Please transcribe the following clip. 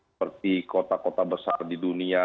seperti kota kota besar di dunia